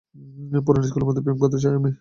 পুরনো স্কুলের মত প্রেম করতে চাই আমি।